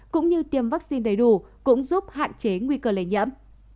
cũng như tiêm vaccine đầy đủ cũng giúp hạn chế nguy cơ lây nhiễm